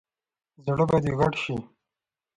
زړه به دې غټ شي !